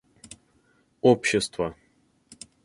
общества